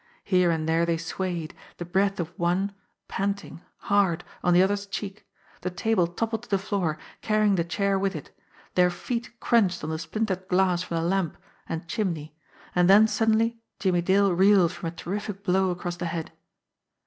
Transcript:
Here and there they swayed, the breath of one, panting, hard, on the other's cheek; the table toppled to the floor, carrying the chair with it; their feet crunched on the splintered glass from the lamp and chimney and then suddenly Jimmie Dale reeled from a terrific blow across the head.